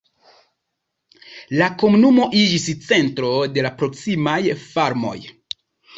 La komunumo iĝis centro de la proksimaj farmoj.